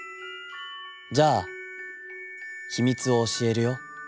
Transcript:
『じゃあ秘密を教えるよ。